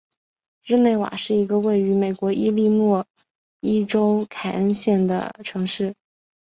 日内瓦是一个位于美国伊利诺伊州凯恩县的城市。